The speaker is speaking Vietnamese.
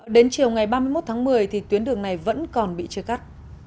đến chiều ngày ba mươi một tháng một mươi thì tuyến đường này vẫn còn bị chia cắt